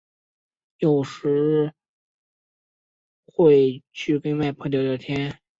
有空时会去跟外婆聊聊天